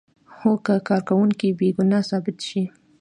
هو که کارکوونکی بې ګناه ثابت شي.